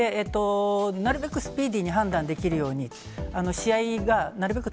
なるべくスピーディーに判断できるように、試合がなるべく